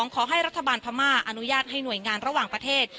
ขอให้รัฐบาลพม่าอนุญาตให้หน่วยงานระหว่างประเทศ